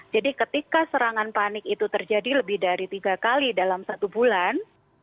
jadi ketika serangan panik itu terjadi lebih dari tiga kali dalam satu bulan